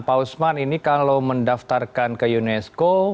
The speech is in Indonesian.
pak usman ini kalau mendaftarkan ke unesco